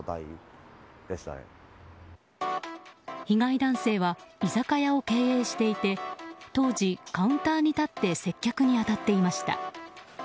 被害男性は居酒屋を経営していて当時、カウンターに立って接客に当たっていました。